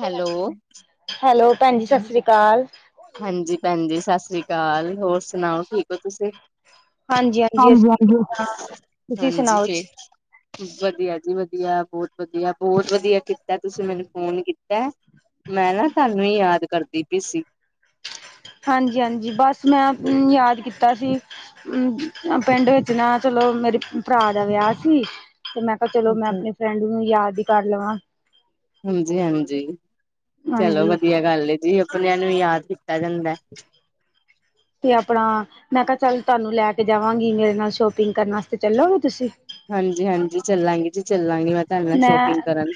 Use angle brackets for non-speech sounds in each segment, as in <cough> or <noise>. Hello hello ਭੈਣ ਜੀ ਸਤਿ ਸ੍ਰੀ ਅਕਾਲ ਹਾਂਜੀ ਭੈਣ ਜੀ ਸਤਿ ਸ੍ਰੀ ਅਕਾਲ ਹੋਰ ਹੋਰ ਸੁਣਾਓ ਠੀਕ ਹੋ ਤੁਸੀਂ ਹਾਂਜੀ ਅਸੀਂ ਠੀਕ ਹਾਂ ਤੁਸੀਂ ਹਾਂਜੀ ਸੁਣਾਓ ਹਾਂਜੀ ਫਿਰ ਵਧੀਆ ਜੀ ਵਧੀਆ ਬਹੁਤ ਵਧੀਆ ਬਹੁਤ ਵਧੀਆ ਤੇ ਤੁਸੀਂ ਮੈਨੂੰ ਫੋਨ ਕੀਤਾ ਮੈਂ ਨਾ ਤੁਹਾਨੂੰ ਹੀ ਯਾਦ ਕਰਦੀ ਪਈ ਸੀ। ਹਾਂਜੀ ਹਾਂਜੀ ਬਸ ਮੈਂ ਯਾਦ ਕੀਤਾ ਸੀ। ਹੂ ਪਿੰਡ ਵਿੱਚ ਨਾ ਚਲੋ ਮੇਰੇ ਭਰਾ ਦਾ ਵਿਆਹ ਸੀ ਤੇ ਮੈਂ ਪਰ ਚਲੋ ਮੈਂ ਆਪਣੇ ਫਰੈਂਡ ਨੂੰ ਯਾਦ ਹੀ ਕਰ ਲਵਾਂ ਹਾਂਜੀ ਹਾਂਜੀ ਚਲੋ ਹਾਂਜੀ ਵਧੀਆ ਗੱਲ ਜੀ ਆਪਣਿਆਂ ਨੂੰ ਯਾਦ ਕੀਤਾ ਜਾਂਦਾ ਤੇ ਆਪਣਾ ਮੈਂ ਕਿਹਾ ਚੱਲ ਤੁਹਾਨੂੰ ਲੈ ਕੇ ਜਾਵਾਂਗੀ ਮੇਰੇ ਨਾਲ ਸ਼ੋਪਿੰਗ ਕਰਨ ਵਾਸਤੇ ਚੱਲੋਗੇ ਤੁਸੀਂ ਹਾਂਜੀ ਹਾਂਜੀ ਚੱਲਾਂਗੇ ਜੀ ਚੱਲਾਂਗੇ ਮੈਂ ਤੁਹਾਡੇ ਨਾਲ ਮੈਂ ਸ਼ੋਪਿੰਗ ਕਰਨ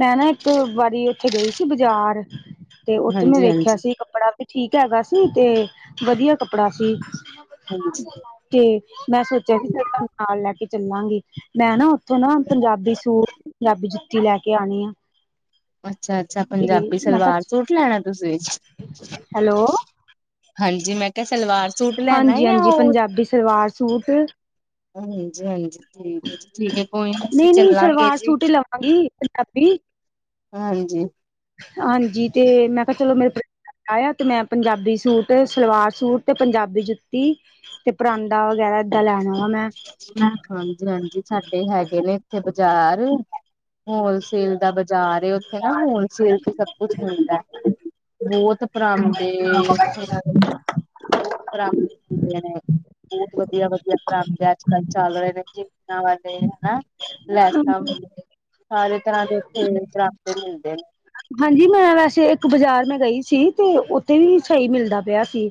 ਮੈਂ ਨਾ ਇੱਕ ਵਾਰੀ ਉੱਥੇ ਗਈ ਸੀ ਬਾਜ਼ਾਰ ਤੇ ਉੱਥੇ ਮੈਂ ਹਾਂਜੀ ਵੇਖਿਆ ਹਾਂਜੀ ਸੀ ਕੱਪੜਾ ਵੀ ਠੀਕ ਹੈਗਾ ਸੀ ਤੇ ਵਧੀਆ ਕੱਪੜਾ ਸੀ। ਹਾਂਜੀ ਕੇ ਮੈਂ ਸੋਚਿਆ ਕਿ ਫਿਰ ਤੁਹਾਨੂੰ ਨਾਲ ਲੈ ਕੇ ਚੱਲਾਂਗੀ ਮੈਂ ਨਾ ਉੱਥੋਂ ਨਾ ਪੰਜਾਬੀ ਸੂਟ ਪੰਜਾਬੀ ਜੁੱਤੀ ਲੈ ਕੇ ਆਉਣੀ ਆ ਅੱਛਾ ਅੱਛਾ ਤੇ ਪੰਜਾਬੀ ਮੈਂ ਕਿਹਾ ਸਲਵਾਰ ਸੂਟ ਲੈਣਾ ਤੁਸੀਂ ਹੈਲੋ ਹਾਂਜੀ ਮੈਂ ਕਿਹਾ ਸਲਵਾਰ ਸੂਟ ਲੈਣਾ ਜਾਂ ਉਹ ਅੱਬੀ ਸਲਵਾਰ ਸੂਟ ਹਾਂਜੀ ਹਾਂਜੀ ਠੀਕ ਠੀਕ ਹੈ ਕੋਈ ਨੀ ਅਸੀਂ ਚੱਲਾਂਗੇ ਜੀ ਸੂਟੀ ਲਵਾਂਗੀ ਪੰਜਾਬੀ ਹਾਏ ਜੀ ਹਾਂਜੀ ਤੇ ਮੈਂ ਕਿਹਾ ਚਲੋ ਮੇਰੇ ਆ ਅਤੇ ਮੈਂ ਪੰਜਾਬੀ ਸੂਟ ਸਲਵਾਰ ਸੂਟ ਤੇ ਪੰਜਾਬੀ ਜੁੱਤੀ ਤੇ ਪਰਾਂਦਾ ਵਗੈਰਾ ਏਦਾਂ ਲੈਣਾ ਵਾ ਮੈਂ ਹਾਂਜੀ ਹਾਂਜੀ ਸਾਡੇ ਹੈਗੇ ਨੇ ਇੱਥੇ ਬਾਜ਼ਾਰ ਹੋਲਸੇਲ ਦਾ ਜਾ ਰਹੇ ਉੱਥੇ ਨਾ ਹੋਲ ਸੇਲ ਤੇ ਸਭ ਕੁਛ ਮਿਲਦਾ ਬਹੁਤ ਪਰਾਂਦੇ ਬਹੁਤ ਪ੍ਰਾਪਤ ਹੁੰਦੇ ਨੇ ਬਹੁਤ ਵਧੀਆ ਵਧੀਆ ਪ੍ਰਾਪਤੀ ਅੱਜ ਕੱਲ ਚਲ ਰੇ ਜਿਪਟਾ ਵਾਲੇ ਹੈਨਾ ਲੈਸ ਆਊਗੀ ਸਾਰੇ ਤਰ੍ਹਾਂ ਦੇ ਉੱਥੇ ਏਅਰ ਡਰਾਫਟ ਮਿਲਦੇ ਨੇ ਹਾਂਜੀ ਮੈਂ ਵੈਸੇ ਇੱਕ ਬਾਜ਼ਾਰ ਮੈਂ ਗਈ ਸੀ ਤੇ ਉੱਥੇ ਵੀ ਸਹੀ ਮਿਲਦਾ ਪਿਆ ਸੀ।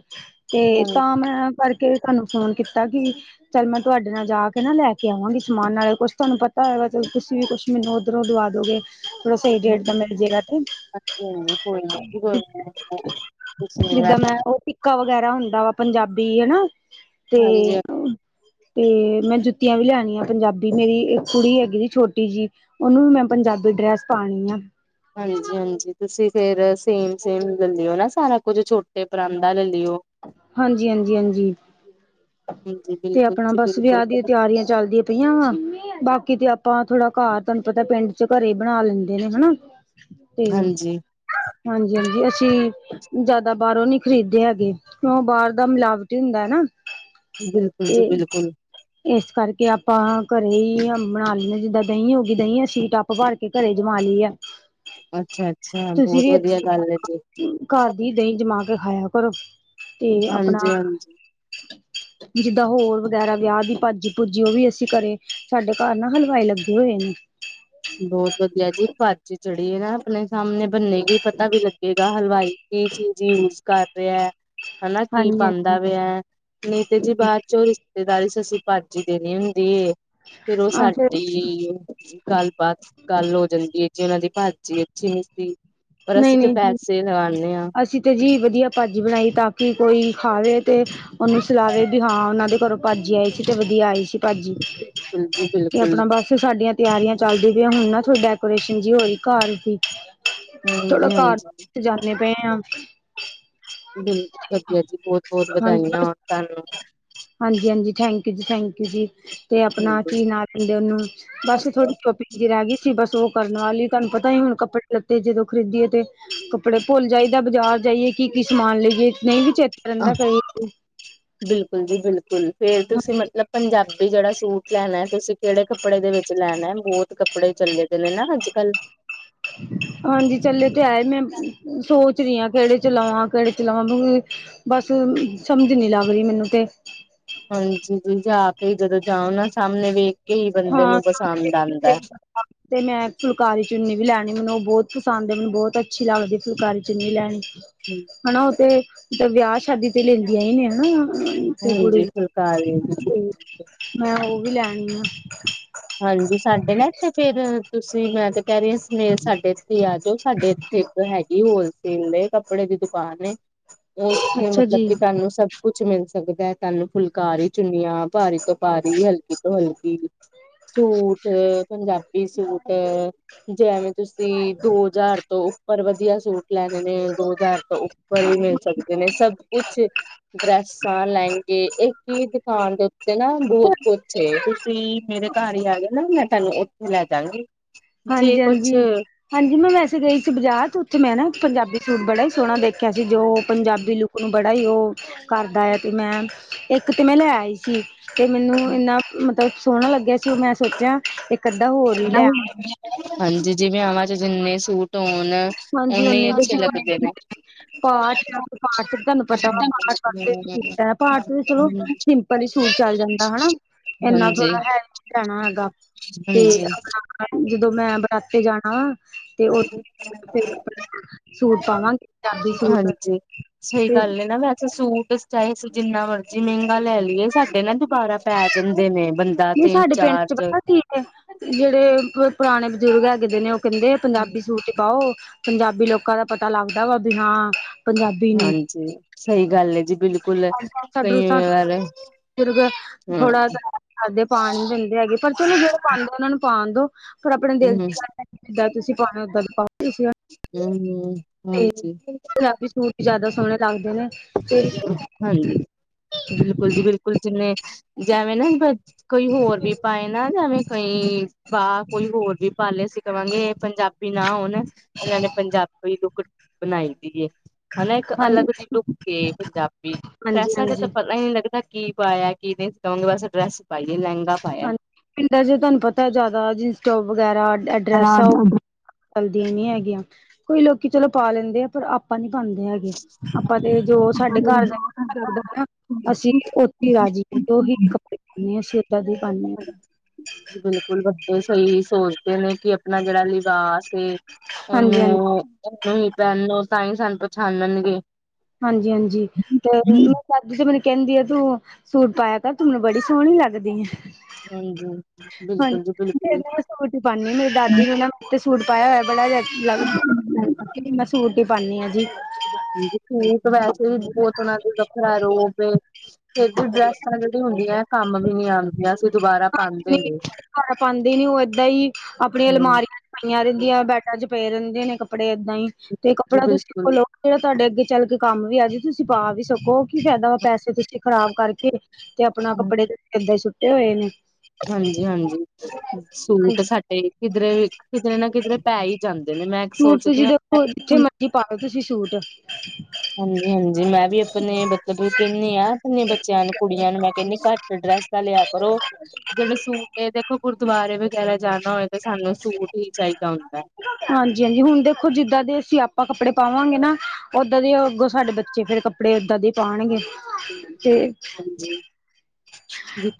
ਤੇ ਹਾਂਜੀ ਤਾਂ ਮੈਂ ਕਰਕੇ ਤੁਹਾਨੂੰ ਫੋਨ ਕੀਤਾ ਕਿ ਚੱਲ ਮੈਂ ਤੁਹਾਡੇ ਨਾਲ ਜਾ ਕੇ ਨਾ ਲੈ ਕੇ ਆਵਾਂਗੀ ਸਮਾਨ, ਨਾਲੇ ਕੁਛ ਤੁਹਾਨੂੰ ਪਤਾ ਹੋਗਾ ਚ ਤੁਸੀ ਵੀ ਕੁਛ ਮੈਨੂੰ ਉੱਧਰੋਂ ਦਵਾ ਦੋਗੇ, ਥੋੜਾ ਸਹੀ ਡੇਟ ਦਾ ਮਿਲ ਜੇਗਾ। ਤੇ <unintelligible> ਕਾ ਵਗੈਰਾ ਹੁੰਦਾ ਵਾ ਪੰਜਾਬੀ ਹਨਾ, ਤੇ ਹਾਂਜੀ ਤੇ ਮੈਂ ਜੁੱਤੀਆਂ ਵੀ ਲੈਣੀਆਂ ਪੰਜਾਬੀ, ਮੇਰੀ ਇੱਕ ਕੁੜੀ ਹੈਗੀ ਜੀ ਛੋਟੀ ਜੀ। ਉਹਨੂੰ ਵੀ ਮੈਂ ਪੰਜਾਬੀ ਡਰੈਸ ਪਾਉਣੀ ਆ ਹਾਂਜੀ ਹਾਂਜੀ ਤੁਸੀਂ ਫਿਰ ਸੇਮ ਸੇਮ ਲੈ ਲਿਓ ਨਾ ਸਾਰਾ ਕੁੱਝ ਛੋਟੇ ਪਰਾਂਦਾ ਲੈ ਲਿਓ ਹਾਂਜੀ, ਹਾਂਜੀ, ਹਾਂਜੀ ਹਾਂਜੀ ਤੇ ਬਿਲਕੁਲ ਆਪਣਾ ਜੀ ਬਸ ਬਿਲਕੁਲ ਵਿਆਹ ਦੀ ਤਿਆਰੀਆਂ ਚੱਲਦੀਆਂ ਪਈਆਂ ਵਾਂ ਬਾਕੀ ਤੇ ਆਪਾਂ ਥੋੜਾ ਘਰ, ਤੁਹਾਨੂੰ ਪਤਾ ਪਿੰਡ ਚ ਘਰੇ ਹੀ ਬਣਾ ਲੈਂਦੇ ਨੇ ਹਨਾ। ਤੇ ਹਾਂਜੀ ਹਾਂਜੀ-ਹਾਂਜੀ, ਅਸੀਂ ਜਾਦਾ ਬਾਹਰੋਂ ਨੀ ਖ਼ਰੀਦੇ ਹੈਗੇ। ਉਹ ਬਾਹਰ ਦਾ ਮਿਲਾਵਟ ਹੀ ਹੁੰਦਾ ਐ ਨਾ। ਬਿਲਕੁਲ ਜੀ ਤੇ ਬਿਲਕੁਲ। ਇਸ ਕਰਕੇ ਆਪਾਂ ਘਰੇ ਹੀ ਬਣਾ ਲੈਂਦੇ ਆਂ, ਜਿੱਦਾਂ ਦਹੀਂ ਹੋ ਗੀ ਦਹੀਂ ਅ ਸੀ ਟੱਪ ਭਰ ਕੇ ਘਰੇ ਜਮਾ ਲਈ ਐ, ਅੱਛਾ-ਅੱਛਾ ਤੁਸੀਂ ਬਹੁਤ ਵੀ ਵਧੀਆ ਗੱਲ ਹੈ ਜੀ <unintelligible> ਘਰ ਦੀ ਦਹੀਂ ਜਮਾ ਕੇ ਖਾਇਆ ਕਰੋ ਤੇ ਆਪਨਾ ਹਾਂਜੀ-ਹਾਂਜੀ ਜਿੱਦਾਂ ਹੋਰ ਵਗੈਰਾ ਵਿਆਹ ਦੀ ਭਾਜੀ ਭੂਜੀ, ਉਹ ਵੀ ਅਸੀਂ ਕਰੇ ਸਾਡੇ ਘਰ ਨਾ ਹਲਵਾਈ ਲੱਗੇ ਹੋਏ ਨੇ। ਬਹੁਤ ਵਧੀਆ ਜੀ, ਭਾਜੀ ਜੇੜੀ ਨਾ ਆਪਣੇ ਸਾਹਮਣੇ ਬੰਨੇਗੀ ਪਤਾ ਵੀ ਲੱਗੇਗਾ, ਹਲਵਾਈ ਕੀ ਚੀਜ਼ ਯੂਜ ਕਰ ਰਿਹਾ? ਹਨਾ ਕੀ ਹਾਂਜੀ ਪਾਂਦਾ ਹਾਂਜੀ ਪਆ ਐ, ਨੀ ਤੇ ਜੀ ਬਾਦ ਚੋਂ ਤੇ <unintelligible> ਅਸੀਂ ਭਾਜੀ ਦੇਣੀ ਹੁੰਦੀ ਏ ਫਿਰ ਉਹ ਆ ਫਿਰ ਸਾਡੀ ਗੱਲਬਾਤ, ਗੱਲ ਹੋ ਜਾਂਦੀ ਐ, ਜੀ ਉਹਨਾਂ ਦੀ ਭਾਜੀ ਅੱਛੀ ਨੀ ਸੀ। ਪਰ ਨਹੀਂ ਅਸੀਂ ਤੇ ਨਹੀਂ ਜੀ ਪੈਸੇ ਲਗਾਨੇ ਆਂ। ਅਸੀਂ ਤੇ ਜੀ ਵਧੀਆ ਭਾਜੀ ਬਨਾਈ ਤਾਂ ਕਿ ਕੋਈ ਖਾਵੇ ਤੇ ਉਹਨੂੰ ਸਲਾਵੇ ਵੀ ਹਾਂ ਉਹਨਾਂ ਦੇ ਘਰੋਂ ਭਾਜੀ ਆਈ ਸੀ ਤੇ ਵਧੀਆ ਆਈ ਸੀ ਭਾਜੀ। ਬਿਲਕੁਲ, ਬਿਲ ਤੇ ਆਪਣਾ ਬਸ ਸਾਡੀਆਂ ਤਿਆਰੀਆਂ ਚੱਲਦੀ ਪਈਆਂ, ਹੁਣ ਨਾ ਥੋੜੀ ਡੈਕੋਰੇਸ਼ਨ ਜੀ ਹੋਈ ਘਰ ਦੀ। ਥੋੜਾ ਘਰ ਨੂੰ ਹਾਂਜੀ-ਹਾਂਜੀ ਵੀ ਸਜਾਨੇ ਪਏ ਆਂ। ਬਿਲ, ਵਧੀਆ ਜੀ, ਬੋਤ-ਬੋਤ ਵਧਾਈਆਂ ਹੋਨ ਤੁਆਨੁ। ਹਾਂਜੀ-ਹਾਂਜੀ, ਥੈਂਕ ਯੂ ਜੀ, ਥੈਂਕ ਯੂ ਜੀ। ਤੇ ਆਪਣਾ ਕੀ ਨਾਂ ਲੈਂਦੇ ਉਹਨੂੰ ਬਸ ਥੋੜੀ ਸ਼ੋਪਿੰਗ ਜੀ ਰਹਿ ਗਈ ਸੀ ਬਸ ਉਹ ਕਰਨ ਵਾਲੀ। ਤੁਹਾਨੂੰ ਪਤਾ ਹੀ ਹੁਣ ਕੱਪੜੇ ਲੱਤੇ ਜਦੋਂ ਖਰੀਦੀਏ ਤੇ ਕੱਪੜੇ ਭੁੱਲ ਜਾਈਦਾ ਬਾਜ਼ਾਰ ਜਾਈਏ। ਕੀ ਕੀ ਸਮਾਨ ਲਈਏ, ਨਹੀਂ ਵੀ ਚੇਤੇ ਰਹਿੰਦਾ ਕਈ ਵਾਰੀ। ਬਿਲਕੁਲ ਜੀ ਬਿਲਕੁਲ ਫੇਰ ਤੁਸੀਂ ਮਤਲਬ ਪੰਜਾਬੀ ਜਿਹੜਾ ਸੂਟ ਲੈਣਾ ਐ, ਤੁਸੀਂ ਕਿਹੜੇ ਕੱਪੜੇ ਦੇ ਵਿੱਚ ਲੈਣਾ ਐ? ਬੋਤ ਕੱਪੜੇ ਚੱਲੇ ਪਏ ਨੇ ਨਾ ਅੱਜ-ਕੱਲ। <inaudible> ਹਾਂਜੀ ਚੱਲੇ ਤੇ ਐ, ਮੈਂ <unintelligible> ਸੋਚ ਰੀ ਆਂ ਕਿਹੜੇ ਚ ਲਵਾਂ, ਕਿਹੜੇ ਚ ਲਵਾਂ ਬਸ ਹੁਨ ਸਮਝ ਨੀ ਲੱਗ ਰੀ ਮੈਨੂੰ ਤੇ। ਹਾਂਜੀ ਤੁਸੀਂ ਜਾ ਕੇ ਜਦੋਂ ਜਾਓ ਨਾ, ਸਾਹਮਣੇ ਵੇਖ ਕੇ ਹੀ ਬੰਦੇ ਹਾਂ ਨੂੰ ਪਸੰਦ ਆਂਦਾ ਐ। ਤੇ ਮੈਂ ਫੁਲਕਾਰੀ ਚੁੰਨੀ ਵੀ ਲੈਣੀ, ਮੈਨੂੰ ਉਹ ਬੋਤ ਪਸੰਦ ਐ, ਮੈਨੂੰ ਬੋਤ ਅੱਛੀ ਲਗਦੀ ਫੁਲਕਾਰੀ ਚੁੰਨੀ ਲੈਣੀ। ਹੂੰ। ਹਨਾ ਉਹ ਤੇ ਵਿਆਹ ਸ਼ਾਦੀ ਤੇ ਲੈਂਦੀਆਂ ਹੀ ਨੇ ਹਨਾ। ਤੇ ਹਾਂਜੀ, ਕੁੜੀ ਫੁਲਕਾਰੀ <unintelligible> ਤੇ ਮੈਂ ਉਹ ਵੀ ਲੈਣੀ ਆ। ਹਾਂਜੀ ਸਾਡੇ ਨੇ ਏਥੇ ਫੇਰ ਤੁਸੀਂ ਮੈਂ ਤੇ ਕਹਿ ਰੀ ਸਮੇਰ ਸਾਡੇ ਤੁਸੀਂ ਆ ਜਾਓ ਸਾਡੇ ਏਥੇ, ਇੱਕ ਹੈਗੀ ਹੋਲਸੇਲ ਦੇ ਕੱਪੜੇ ਦੀ ਦੁਕਾਨ ਏ। ਉੱਥੇ ਅੱਛਾ ਮਤਲਬ ਜੀ। ਕਿ ਤੁਹਾਨੂੰ ਸਭ ਕੁਛ ਮਿਲ ਸਕਦਾ ਐ, ਤੁਹਾਨੂੰ ਫੁਲਕਾਰੀ ਚੁੰਨੀਆਂ ਭਾਰੀ ਤੋਂ ਭਾਰੀ, ਹਲਕੀ ਤੋਂ ਹਲਕੀ, ਸੂਟ ਪੰਜਾਬ ਬੀ ਸੂਟ, ਜਿਵੇਂ ਤੁਸੀਂ ਦੋ ਹਜ਼ਾਰ ਤੋਂ ਪਰ ਵਧੀਆ ਸੂਟ ਲੈਣੇ ਨੇ ਦੋ ਹਜ਼ਾਰ ਤੋਂ ਉੱਪਰ ਵੀ ਮਿਲ ਸਕਦੇ ਨੇ ਸਭ ਕੁਛ ਡਰੈਸਾਂ, ਲੈਂਗੇ ਇੱਕ ਕੀ ਦੁਕਾਨ ਦੇ ਉੱਤੇ ਨਾ ਬਹੁਤ ਕੁਛ ਏ, ਤੁਸੀਂ ਮੇਰੇ ਘਰ ਹੀ ਆ ਗਏ ਨਾ ਮੈਂ ਤੁਹਨੂੰ ਉੱਥੇ ਲੈ ਜਾਾਂਗੀ ਹਾਂਜੀ ਹਾਂਜੀ ਹਾਂਜੀ ਮੈਂ ਵੈਸੇ ਗਈ ਸੀ ਬਾਜ਼ਾਰ ਉੱਥੇ ਮੈਂ ਨਾ ਪੰਜਾਬੀ ਸੂਟ ਬੜਾ ਹੀ ਸੋਹਣਾ ਦੇਖਿਆ ਸੀ ਜੋ ਪੰਜਾਬੀ ਲੁੱਕ ਨੂੰ ਬੜਾ ਹੀ ਉਹ ਕਰਦਾ ਆ ਤੇ ਮੈਂ ਇੱਕ ਤਾਂ ਮੈਂ ਲੈ ਆਈ ਸੀ ਤੇ ਮੈਨੂੰ ਇੰਨਾ ਮਤਲਬ ਸੋਹਣਾ ਲੱਗਿਆ ਸੀ, ਉਹ ਮੈਂ ਸੋਚਿਆ ਤੇ ਅੱਧਾ ਹੋਰ ਵੀ ਲੈ ਹਾਂਜੀ ਜਿਵੇਆਵਾਂ ਚ ਜਿੰਨੇ ਸੂਟ ਹੋਣ ਹਾਂਜੀ ਓਨੇ ਅੱਛੇ ਦੇਖੋ ਲੱਗਦੇ ਘੱਟ ਨੇ ਪਾਠ ਪਾਠ ਵੀ ਤੁਹਾਨੂੰ ਪਤਾ ਵਾ ਪਾਠ ਵਸ ਹਾਂਜੀ, ਪਾਠ ਚਲੋ ਪਰਲੀ ਸੂਟ ਚੱਲ ਜਾਂਦਾ ਹਨਾ ਇੰਨਾ ਹਾਂਜੀ, ਥੋੜਾ ਹੈਵੀ ਪੈਣਾ ਹੈਗਾ ਤੇ ਆਪਣਾ ਜਦੋਂ ਮੈਂ ਬਰਾਤੇ ਜਾਣਾ ਤੇ ਉਹ ਫ ਹਾਂਜੀ ਸਹੀ ਤੇ ਗੱਲ ਨ ਨਹੀਂ ਨਾ ਵੈਸੇ ਸੂਟ ਚਾਹੇ ਅਸੀਂ ਜਿੰਨਾ ਮਰਜ਼ੀ ਮਹਿੰਗਾ ਲੈ ਲਈਏ ਸਾਡੇ ਨਾ ਦੁਬਾਰਾ ਪੈ ਜਾਂਦੇ ਨੇ ਬੰਦੇ ਦੀ ਸਾਡੇ ਪਿੰਡ ਚ ਪਤਾ ਕੀ ਜਿਹੜੇ ਪੁਰਾਣੇ ਬਜ਼ੁਰਗ ਹੈਗੇ ਨੇ ਉਹ ਕਹਿੰਦੇ ਪੰਜਾਬੀ ਸੂਟ ਪਾਓ ਪੰਜਾਬੀ ਲੋਕਾਂ ਦਾ ਪਤਾ ਲੱਗਦਾ ਵਾ ਬਿ ਹਾਂ ਪੰਜਾਬੀ ਨੂੰ ਹਾਂਜੀ ਸਹੀ ਗੱਲ ਹੈ ਜੀ ਬਿਲਕੁਲ ਕਈ ਵਾਰ ਦੁਰਗ ਥੋੜਾ ਕਰਦੇ ਪਾ ਨੀ ਦਿੰਦੇ ਹੈਗੇ ਪਰ ਚਲੋ ਜੋ ਪਾਉਂਦੇ ਉਹਨਾਂ ਨੂੰ ਪਾਉਣ ਦੋ ਪਰ ਆਪਣੇ ਦਿਲ ਹਮ ਦੀ ਗੱਲਦਾਂ ਤੁਸੀਂ ਪਾਣੀ ਉੱਦਾਂ ਦੀ ਪਾਉਂਦੇ ਸੀ ਹਮਮ ਹਾਂਜੀ ਪੰਜਾਬੀ ਸੂਟ ਜ਼ਿਆਦਾ ਸੋਹਣੇ ਲੱਗਦੇ ਨੇ ਤੇ ਹਾਂਜੀ ਬਿਲਕੁਲ ਜੀ ਬਿਲਕੁਲ ਜਿੰਨੇ ਜਵੇਂ ਨਾ ਕਈ ਹੋਰ ਵੀ ਪਾਏ ਨਾ ਜਵੇਂ ਕਈ ਪਾ ਕੋਈ ਹੋਰ ਵੀ ਪਾ ਲਏ ਕਵਾਂਗੇ ਇਹ ਪੰਜਾਬੀ ਨਾ ਹੋਣ ਇਹਨਾਂ ਨੇ ਪੰਜਾਬੀ ਲੁਕੜ ਬਣਾਈ ਦੀ ਹੈ ਹਨਾ ਇੱਕ ਹਾਂ ਅਲੱਗ ਜਿਹੀ ਲੁਕ ਕੇ ਪੰਜਾਬੀ ਹਾਂਜੀ ਫੈਸਾ ਚ ਤਾਂ ਹਾਂਜੀ ਪਤਾ ਹੀ ਨ ਨਹੀਂ ਲੱਗਦਾ ਕੀ ਪਾਇਆ ਕੀ ਨਹੀਂਂਗੇ ਵੈਸੇ ਡਰੈਸ ਪਾਈਏ ਲਹਿੰਗਾ ਪਾਇਆ। ਹਾਂਜੀ ਪਿੰਡਾਂ ਚ ਤੁਹਾਨੂੰ ਪਤਾ ਜ਼ਿਆਦਾ ਜਿਨਸਟੋਪ ਵਗੈਰਾ ਐਡਰੈਸ ਚੱਲਦੀਆਂ ਨੀ ਹੈਗੀਆਂ ਕੋਈ ਲੋਕੀ ਚਲੋ ਪਾ ਲੈਂਦੇ ਆ ਪਰ ਆਪ ਆਪਾਂ ਨੀ ਬਣਦੇ ਹੈਗੇ ਆਪਾਂ ਤੇ ਜੋ ਸਾਡੇ ਘਰ ਜਾਂ ਲਗਦਾ ਨਾ ਅਸੀਂ ਓਟੀ ਰਾਜੀਵ ਤੋਂ ਹੀ ਕੱਪੜੇ ਪਾਉਦੇ ਹਾਂ ਸਦਾਂ ਦੇ ਪਾਉਦੇ ਹਾਂ ਬਿਲਕੁਲ ਵੱਡੇ ਸਹੀ ਸੋਚਦੇ ਨੇ ਕਿ ਆਪਣਾ ਜਿਹੜਾ ਲਿਵਾਸ ਤੇ ਹਾਂਜੀ ਉਹਨੂੰ ਹਾਂਜੀ ਉਹਨੂੰ ਹੀ ਪਹਿਨ ਤਾਂ ਹੀ ਸਾਨੂੰ ਪਛਾਣਣਗੇ ਹਾਂਜੀ ਹਾਂਜੀ ਤੇ ਸਾਦੀ ਚ ਮੈਨੂੰ ਕਹਿੰਦੀ ਆ ਤੂੰ ਸੂਟ ਪਾਇਆ ਕਰ ਤੂੰ ਮੈਨੂੰ ਬੜੀ ਸੋਹਣੀ ਲੱਗਦੀ ਆ ਹਾਂਜੀ ਬਿਲਕੁਲ ਜੀ ਬਿਲਕੁਲ ਜੀ ਪਾਦੀ ਮੇਰੀ ਦਾਦੀ ਵੀ ਨਾ ਤੇ ਸੂ ਪਾਇਆ ਹੋਇਆ ਬੜਾ ਜ ਲੱਗਦਾ ਸੂਟ ਹੀ ਪਾਨੀ ਆ ਜੀ ਠੀਕ ਵੈਸੇ ਵੀ ਬਹੁਤ ਉਹਨਾਂ ਦੇ ਵੱਖਰਾ ਰੋਪ ਫਿਰ ਜ ਡਰੈਸਾਂ ਜਿਹੜੀ ਹੁੰਦੀਆਂ ਕੰਮ ਵੀ ਨਹੀਂ ਆਉਂਦੀਆਂ ਅਸੀਂ ਦੁਬਾਰਾ ਪਾਉਦੇ ਨੇ ਕਰ ਪਾਉਂਦੇ ਨੀ ਉਹ ਏਦਾਂ ਹੀ ਆਪਣੀ ਹਮ ਅਲਮਾਰੀ ਪਾਈਆਂ ਰਹਿੰਦੀਆਂ ਬੈਡਾ ਚ ਪੇਏ ਰਹਿਦੇ ਨੇ ਕੱਪੜੇ ਏਦਾਂ ਹੀ ਤੇ ਜੀ ਕੱਪੜਾ ਬਿਲਕੁਲ ਤੁਸੀਂ ਲਓ ਜਿਹੜਾ ਤੁਹਾਡੇ ਅੱਗੇ ਚੱਲ ਕੇ ਕੰਮ ਵੀ ਆ ਜੀ ਤੁਸੀਂ ਪਾ ਵੀ ਸਕੋ ਕੀ ਫਾਇਦਾ ਪੈਸੇ ਤੁਸੀਂ ਖ਼ਰਾਬ ਕਰਕੇ ਤੇ ਆਪਣਾ ਕੱਪੜੇ ਏਦਾ ਸੁੱਟੇ ਹੋਏ ਨੇ ਹਾਂਜੀ ਹਾਂਜੀ ਸੂਟ ਸਾਡੇ ਕਿਧਰੇ ਕਿਧਰੇ ਨਾ ਕਿਧਰੇ ਪੈ ਹੀ ਜਾਂਦੇ ਨੇ ਮੈਂ ਸੂਟ ਸੋਚਦੀ ਤੁਸੀਂ ਹਾਂ ਦੇਖੋ ਜਿੱਥੇ ਹੁਣ ਮਰਜੀ ਪਾਓ ਤੁਸੀਂ ਸੂਟ ਹਾਂਜੀ ਹਾਂਜੀ ਮੈਂ ਵੀ ਆਪਣੇ ਮਤਲਬ ਕਹਿੰਦੀ ਹਾਂ ਆਪਨੇ ਬੱਚਿਆਂ ਨੂੰ ਕੁੜੀਆਂ ਨੂੰ ਮੈਂ ਕਹਿੰਦੀ ਘੱਟ ਡਰੈਸ ਚੱਲਿਆ ਕਰੋ ਜਿਹੜੇ ਸੂਟ ਦੇਖੋ ਗੁਰਦੁਆਰੇ ਵਗੈਰਾ ਜਾਣਾ ਹੋਵੇ ਤਾਂ ਸਾਨੂੰ ਸੂਟ ਹੀ ਚਾਹੀਦਾ ਹੁੰਦਾ ਹੈ ਹਾਂਜੀ-ਹਾਂਜੀ ਹੁਣ ਦੇਖੋ, ਜਿੱਦਾਂ ਦੇ ਅਸੀਂ ਆਪਾ ਕੱਪੜੇ ਪਾਵਾਂਗੇ ਨਾ, ਓਦਾਂ ਦੇ ਹੀ ਅੱਗੋਂ ਸਾਡੇ ਬੱਚੇ ਫਿਰ ਕ ਕੱਪੜੇ ਏਦਾਂ ਦੇ ਪਾਣਗੇ ਤੇ ਹਾਂਜੀ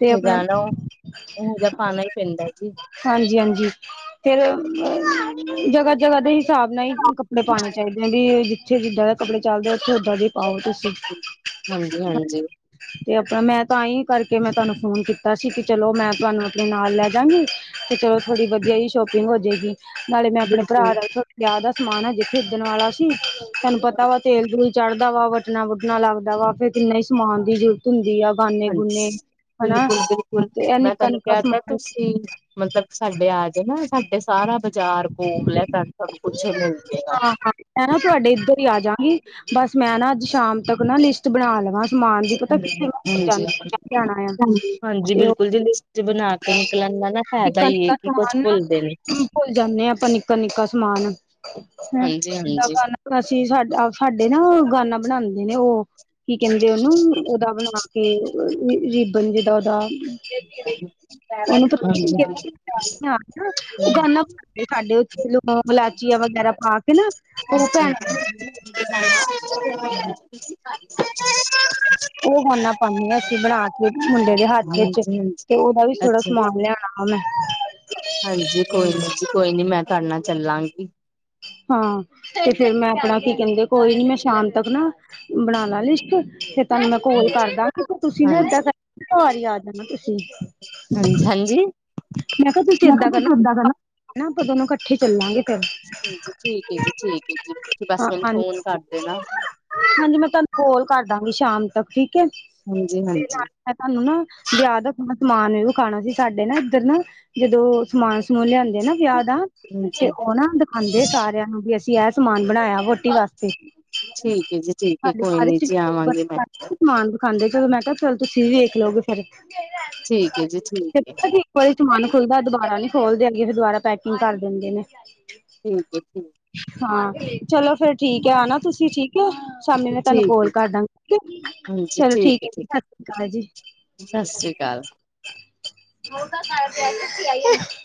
ਤੇ ਆਪਣਾ ਜਾਣਾ, ਓਹੋ ਜਿਹਾ ਪਾਣਾ ਹੀ ਪੇਂਦਾ ਜੀ। ਹਾਂਜੀ-ਹਾਂਜੀ। ਫਿਰ, ਅ ਜਗ੍ਹਾ-ਜਗ੍ਹਾ ਦੇ ਹਿਸਾਬ ਨਾਲ ਹੀ ਕੱਪੜੇ ਪਾਣੇ ਚਾਹੀਦੇ। ਜਾਂ ਵੀ ਜਿੱਥੇ ਜਿੱਦਾਂ ਦੇ ਕੱਪੜੇ ਚੱਲਦੇ, ਉਥੇ ਓਦਾਂ ਦੇ ਪਾਓ, ਤੁ ਹਾਂਜੀ-ਹਾਂਜੀ। ਤੇ ਆਪਣਾ ਮੈਂ ਤਾਂ ਹੀ ਕਰਕੇ ਮੈਂ ਤੁਹਾਨੂੰ ਫੋਨ ਕੀਤਾ ਸੀ ਕਿ ਚਲੋ ਮੈਂ ਤੁਹਾਨੂੰ ਆਪਣੇ ਨਾਲ ਲੈ ਜਾਗੀ ਤੇ ਚਲੋ ਥੋੜ੍ਹੀ ਵਧੀਆ ਹੀ ਸ਼ੋਪਿੰਗ ਹੋ ਜੇ ਗੀ ਨਾਲੇ ਮੈਂ ਆਪਣੇ ਬਿਲਕੁਲ ਭਰਾ ਦਾ ਵਿਆਹ ਦਾ ਸਮਾਨ ਹਜੇ ਖਰੀਦਣ ਵਾਲਾ ਸੀ ਤੁਹਾਨੂੰ ਪਤਾ ਵਾ ਤੇਲ ਦਲ ਚੜ੍ਹਦਾ ਵਾ, ਵੱਟਣਾ-ਵੁਟਣਾ ਲੱਗਦਾ ਵਾ, ਫਿਰ ਕਿੰਨਾ ਹੀ ਸਮਾਨ ਦੀ ਜ਼ਰੂਰਤ ਹੁੰਦੀ ਆ। ਗਾਨ ਹਾਂਜੀ, ਬਿਲਕੁਲ-ਬਿਲਕੁਲ, ਤੇ ਇਹ ਮੈਂ ਨਿੱਕਾ ਤੁਹਾਨੂੰ ਨਿੱਕਾ ਕਹਿਤਾ ਸਮਾਨ ਤੁਸੀਂ ਮਤਲਬ, ਸਾਡੇ ਆਜੇ ਨਾ, ਸਾਡੇ ਸਾਰਾ ਬਾਜ਼ਾਰ ਕੋਲ ਐ, ਤਾ ਸਭ ਕੁਛ ਮਿਲਜੇਗਾ। ਹਾਂ ਹਾਂ ਮੈਂ, ਨਾ ਤੁਹਾਡੇ ਇੱਧਰ ਹੀ ਆਂਜਾਗੀ, ਬਸ ਮੈਂ ਨਾ ਅੱਜ ਸ਼ਾਮ ਤੱਕ ਨਾ ਲਿਸਟ ਬਣਾ ਲਵਾਂ। ਸਮਾਨ ਦੀ ਪਤਾ ਕਿ, ਕਿਥੇ ਹਾਂਜੀ, ਜਾਣਾ ਯਾ, ਹਾਂਜੀ ਤੇ ਓਹ ਬਿਲਕੁਲ ਜੀ ਲਿਸਟ ਬਣਾ ਕੇ ਨਿਕਲਣ ਦਾ ਨਾ ਫਾਇਦਾ ਈ ਏ ਨਿੱਕਾ-ਨਿੱਕਾ ਕਿ ਕੁਛ ਸਮਾਨ ਨਾ, ਭੁੱਲਦੇ ਨੀ, ਭੁ ਜਾਂਨੇ ਆਂ, ਆਪਾਂ ਨਿੱਕਾ-ਨਿੱਕਾ ਸਮਾਨ। ਹੈਂ ਜਿਦਾਂ ਹਾਂਜੀ-ਹਾਂਜੀ। ਕੱਨ ਅਸੀਂ ਸਾ ਸਾਡੇ ਨਾ, ਓਹ ਗ੍ਹਾਨਾ ਬਣਾਉਂਦੇ ਨੇ ਉਹ। ਕੀ, ਕਹਿੰਦੇ ਉਹਨੂੰ? ਉਹਦਾ ਬਣਾਕੇ ਰਿਬਨ ਜੇ ਦਾ ਉਹਦਾ ਉਹਨੂੰ ਪਤਾ ਹਾਂਜੀ-ਹਾਂਜੀ, ਉਹ ਗਾਨਾ <unintelligible> ਸਾਡੇ ਓਥੇ ਲੋਂਗ, ਇਲਾਇਚੀਆਂ ਵਗੈਰਾ ਪਾਕੇ ਨਾ, ਉਹ ਭੈਣ ਹਾਂ ਉਹ ਗੌਨਾ ਪਾਂਨੇ ਆਂ, ਅਸੀਂ ਬਣਾਕੇ ਮੁੰਡੇ ਦੇ ਹੱਥ ਵਿੱਚ। ਤੇ, ਉਹਦਾ ਵੀ ਥੋੜਾ ਅੱਛਾ, ਸਮਾਨ ਲਿਆਣਾ ਵਾ 'ਮੈਂ'। ਹਾਂਜੀ। ਕੋਈ ਨੀ ਜੀ, ਕੋਈ ਨੀ, ਮੈਂ, ਤੁਹਾਡੇ ਨਾਲ ਚੱਲਾਂਗੀ। ਹਾਂ, ਤੇ ਫਿਰ ਮੈਂ, ਆਪਣਾ ਕੀ ਕਹਿੰਦੇ, ਕੋਈ ਨੀ ਮੈਂ ਸ਼ਾਮ ਤੱਕ ਨਾ ਬਣਾਲਾ ਲਿਸਟ ਫਿਰ ਤੁਹਾਨੂੰ ਮੈਂ ਕੋਲ ਹਾਂਜੀ। ਕਰਦਾਂਗੀ, ਤੁਸੀਂ ਨਾ ਏਦਾਂ ਹਾਂਜੀ ਕਰਿਓ ਘਰ ਹੀ, ਆ ਜਾਣਾ ਤੁਸੀ। ਹਾਂਜੀ ਹਾਂਜੀ! ''ਮੈਂ ਕਿਹਾ ਤੁਸੀਂ ਇੱਦਾਂ ਕਰਨਾ, ਆਪਾਂ ਦੋਨੋਂ ਇਕੱਠੇ ਚੱਲਾਂਗੇ। ਫੇਰ ਹਾਂਜੀ, ਠੀਕ ਹੈ ਜੀ, ਠੀਕ ਹੈ ਜੀ। ਤੁਸੀ ਬਸ ਹਾਂ ਮੈਨੂੰ ਹਾਂਜੀ ਫੋਨ ਕਰਦੇਨਾ। ਹਾਂਜੀ, ਮੈਂ ਤੁਹਾਨੂੰ ਕੋਲ ਕਰਦਾਂਗੀ ਸ਼ਾਮ ਤੱਕ। ਠੀਕ ਏ। ਹਾਂਜੀ ਦੇ ਹਾਂਜੀ ਨਾਲ, ਮੈਂ ਤੁਹਾਨੂੰ ਨਾ, ਵਿਆਹ ਦਾ ਮੈਂ, ਸਮਾਨ ਵੀ ਵਖਾਣਾ ਸੀ, ਸਾਡੇ ਨਾ, ਇੱਧਰ ਨਾ, ਜਦੋ ਸਮਾਨ-ਸਮੂਨ ਲਿਆਂਦੇ ਨਾ ਵਿਆਹ ਦਾ, ਹਾਂਜੀ ਤੇ ਠੀਕ ਉਹ ਨਾ ਦਿਖਾਉਂਦੇ ਸਾਰਿਆਂ ਨੂੰ ਵੀ ਅਸੀਂ ਅਸੀ ਐ ਸਮਾਨ ਬਣਾਇਆ। ਵੋ ਟੀ ਵਾਸਤੇ, ਹੈ ਜੀ ਠੀਕ ਹੈ ਸਾਡੇ ਕੋਈ ਨੀ ਸਾਰੇ ਜੀ ਆਵਾਂਗੀ ਮੈਂ ਸਮਾਨ ਖਾਂਦੇ, ਮੈਂ ਕਿਹਾ, ਚਲ ਤੁਸੀਂ ਵੀ ਵੇਖਲੋਗੇ ਫਿਰ, ਠੀਕ ਹੈ ਜੀ ਠੀਕ ਫਿਰ ਹੈ ਪਤਾ ਕੀ ਕੋ ਵਾਰੀ ਸਮਾਨ ਖੁੱਲਦਾ, ਦੁਬਾਰਾ ਨੀ ਖੋਲਦੇ ਹੈਗੇ, ਫਿਰ ਦੁਬਾਰਾ ਪੈਕੀੰਗ ਕਰ ਦਿੰਦੇ ਨੇ। ਠੀਕ ਏ, ਜੀ। ਹਾਂ। ਚਲੋ ਫਿਰ ਠੀਕ ਐ, ਆਨਾ ਤੁਸੀਂ ਠੀਕ ਏ, ਸ਼ਾਮੀ ਮੈਂ ਤੁਹਾਨੂੰ ਠੀਕ ਕੋਲ ਹੈ ਕਰਦਾਂਗੀ ਠੀਕੇ। ਚਲੋ ਠੀਕ ਏ, ਸਤ ਸ੍ਰੀ ਅਕਾਲ ਜੀ। ਸਤਿ ਸ੍ਰੀ ਅਕਾਲ। ਹੋਣ ਤਾਂ ਸਾਰਿਆਂ ਦੀ, ਐਸ ਐਸ ਪੀ ਆਈ ਏ।